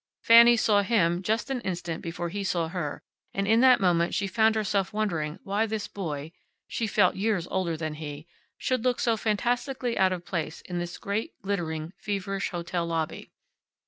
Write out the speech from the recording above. Fanny saw him just an instant before he saw her, and in that moment she found herself wondering why this boy (she felt years older than he) should look so fantastically out of place in this great, glittering, feverish hotel lobby.